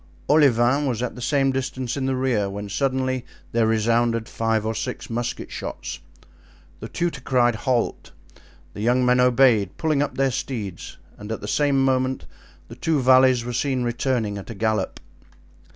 Olivain was at the same distance in the rear, when suddenly there resounded five or six musket shots. The tutor cried halt; the young men obeyed, pulling up their steeds, and at the same moment the two valets were seen returning at a gallop.